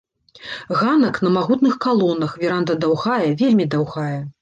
Ганак на магутных калонах, веранда даўгая, вельмі даўгая.